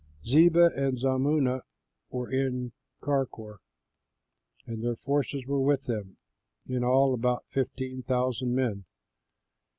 Zebah and Zalmunna were in Karkor, and their forces were with them, in all about fifteen thousand men.